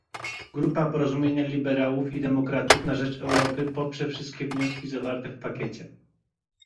Grupa Porozumienia Liberałów i Demokratów na rzecz Europy poprze wszystkie wnioski zawarte w pakiecie